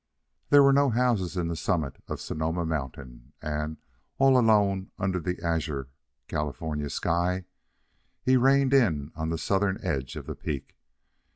There were no houses in the summit of Sonoma Mountain, and, all alone under the azure California sky, he reined in on the southern edge of the peak.